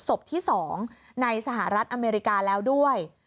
ศพที่๒ในสหรัฐอเมริกาแล้วด้วย